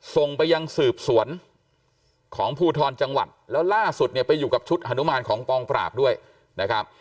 ส่งไปยังสืบสวนของภูทรจังหวัดแล้วล่าสุดเนี่ยไปอยู่กับชุดฮานุมานของกองปราบด้วยนะครับ